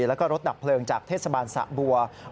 แล้วก็รถดับเพลิงจากเทศบาลสะบัว